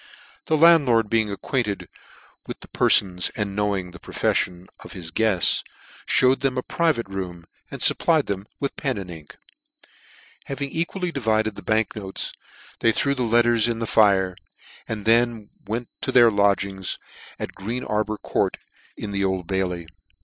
The landlord being acquainted with the perfons, and knowing the profefllon of" his guefts, fhewed them a private room, and fupplied them with pen and ink. Having equally divided the bank notes> they threw the letters in the fire, and then went to their lodgings in Green Arbour Court in the Old* o o Bailey.